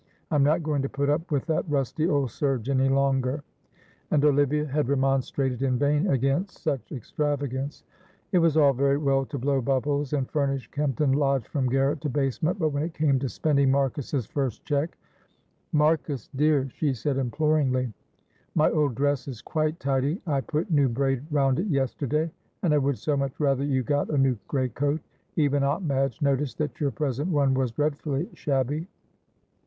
"I am not going to put up with that rusty old serge any longer," and Olivia had remonstrated in vain against such extravagance. It was all very well to blow bubbles and furnish Kempton Lodge from garret to basement, but when it came to spending Marcus's first cheque ! "Marcus, dear," she said, imploringly, "my old dress is quite tidy. I put new braid round it yesterday, and I would so much rather you got a new great coat. Even Aunt Madge noticed that your present one was dreadfully shabby."